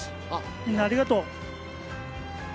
みんな、ありがとう。